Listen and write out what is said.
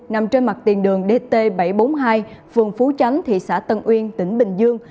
nằm trên mặt tiền đường dt bảy trăm bốn mươi hai phường phú chánh thị xã tân uyên tỉnh bình dương